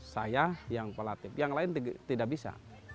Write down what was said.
saya yang pelatih yang lain tidak bisa